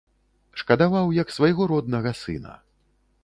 Шкадаваў, як свайго роднага сына.